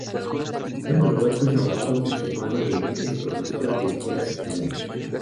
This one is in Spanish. Su padre Roberto es abogado y su madre Edit es profesora de escuela secundaria.